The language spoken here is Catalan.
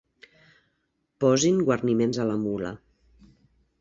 Posin guarniments a la mula.